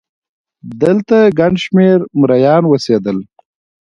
دلته ګڼ شمېر مریان اوسېدل.